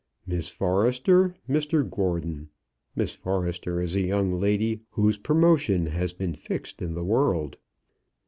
Miss Forrester Mr Gordon. Miss Forrester is a young lady whose promotion has been fixed in the world."